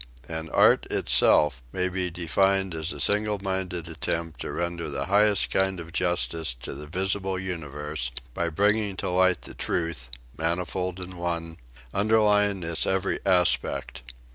And art itself may be defined as a single minded attempt to render the highest kind of justice to the visible universe, by bringing to light the truth, manifold and one, underlying its every aspect.